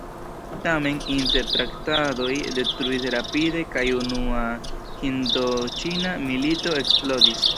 Tamen, intertraktadoj detruis rapide kaj Unua Hindoĉina Milito eksplodis.